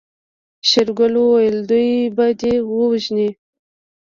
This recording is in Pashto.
شېرګل وويل دوی به دې ووژني.